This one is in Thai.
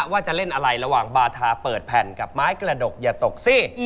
ว่าจะเล่นอะไรระหว่างบาทาเปิดแผ่นกับไม้กระดกอย่าตกสิ